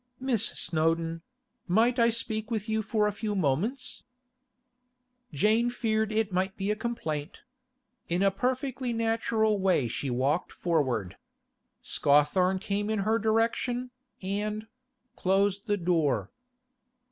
'Miss Snowdon—might I speak with you for a few moments?' Jane feared it might be a complaint. In a perfectly natural way she walked forward. Scawthorne came in her direction, and—closed the door.